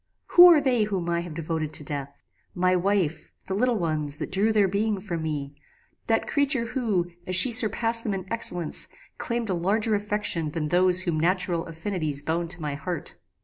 "Who are they whom I have devoted to death? My wife the little ones, that drew their being from me that creature who, as she surpassed them in excellence, claimed a larger affection than those whom natural affinities bound to my heart.